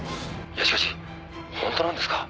「いやしかし本当なんですか？」